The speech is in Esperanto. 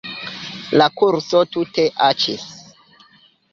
La kurso tute aĉis.